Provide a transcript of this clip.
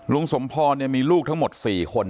สมพรมีลูกทั้งหมด๔คน